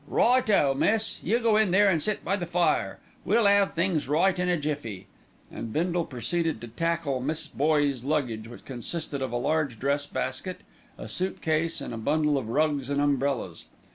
"Right o, miss! You go in there and sit by the fire. We'll 'ave things right in a jiffy;" and Bindle proceeded to tackle Miss Boye's luggage, which consisted of a large dress basket, a suit case and a bundle of rugs and umbrellas.